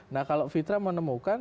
nah kalau fitra menemukan